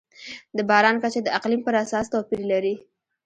د باران کچه د اقلیم پر اساس توپیر لري.